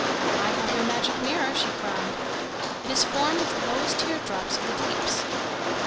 "I have your magic mirror," she cried. "It is formed of the lowest teardrops of the Deeps."